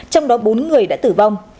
trong đó bốn người đã tử vong